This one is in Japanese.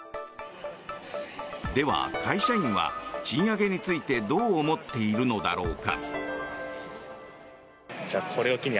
では会社員は賃上げについてどう思っているのだろうか。